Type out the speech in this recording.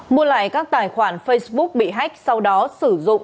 mua lại các tài khoản facebook bị hách sau đó sử dụng